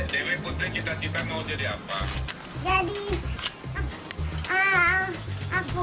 dewi putri cita cita mau jadi apa